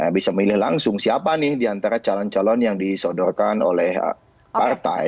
bisa memilih langsung siapa nih diantara calon calon yang disodorkan oleh partai